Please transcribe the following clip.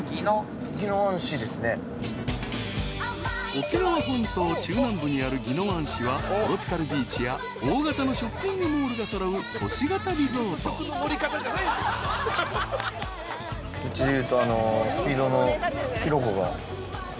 ［沖縄本島中南部にある宜野湾市はトロピカルビーチや大型のショッピングモールが揃う都市型リゾート］うちでいうと。